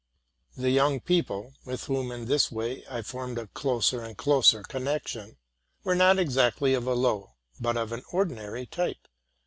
The young people, with whom in this way I formed a closer and closer connection, were not exactly of a low, but of an ordinary, type.